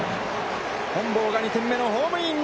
本坊が２点目のホームイン。